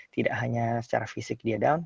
tidak hanya secara fisik dia down